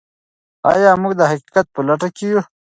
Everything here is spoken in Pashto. آیا موږ د حقیقت په لټه کې یو؟